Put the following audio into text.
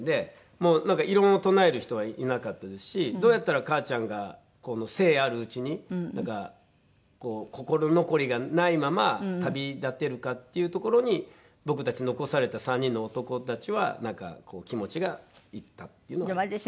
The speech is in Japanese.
もう異論を唱える人はいなかったですしどうやったら母ちゃんが生あるうちに心残りがないまま旅立てるかっていうところに僕たち残された３人の男たちは気持ちがいったっていうのはあります。